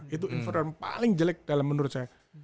itu infron paling jelek dalam menurut saya